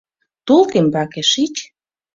— Тол тембаке, шич.